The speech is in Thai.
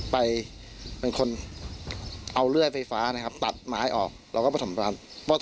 ผมเป็นคนพยายามไปเลือกแนะนำไฟฟ้า